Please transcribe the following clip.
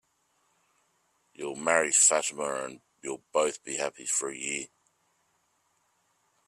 You'll marry Fatima, and you'll both be happy for a year.